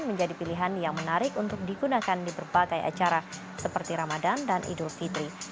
menjadi pilihan yang menarik untuk digunakan di berbagai acara seperti ramadan dan idul fitri